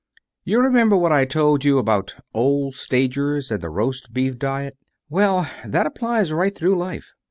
You remember what I told you about old stagers, and the roast beef diet? Well, that applies right through life.